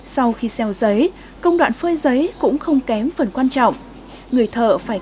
sau khi xeo giấy công đoạn phơi giấy cũng không kém phần quan trọng người thợ phải